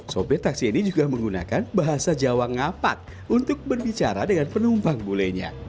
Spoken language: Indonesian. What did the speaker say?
sopir taksi ini juga menggunakan bahasa jawa ngapak untuk berbicara dengan penumpang bulenya